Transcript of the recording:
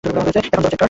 এখন যাব চেককার্ট।